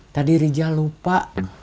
tadi rija lupa